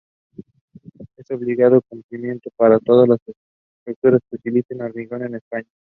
Es de obligado cumplimiento para todas las estructuras que utilicen hormigón en España.